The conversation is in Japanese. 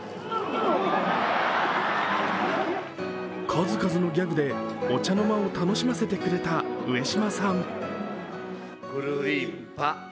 数々のギャグでお茶の間を楽しませてくれた上島さん。